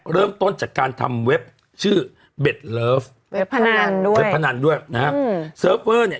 เริ่มต้นจากการทำเว็บชื่อเบตเว็บพนันด้วยเว็บพนันด้วยนะฮะมั้ง